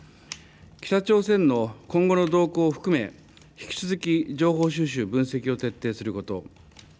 北朝鮮の今後の動向を含め、引き続き情報収集、分析を徹底すること。